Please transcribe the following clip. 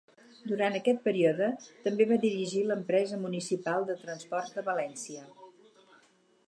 Durant aquest període també va dirigir l'Empresa Municipal de Transports de València.